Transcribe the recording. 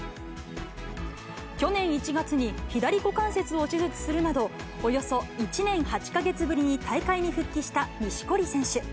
去年１月に左股関節を手術するなど、およそ１年８か月ぶりに大会に復帰した錦織選手。